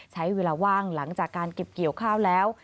ใช้เวลาว่างหลังจากการเก็บเกี่ยวข้าวแล้ว